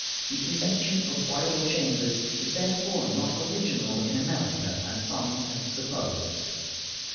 The invention of bridal chambers is therefore not original in America, as some have supposed.